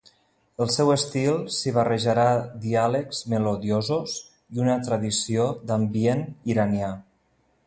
El seu estil s'hi barrejarà diàlegs melodiosos, i una tradició d'ambient iranià.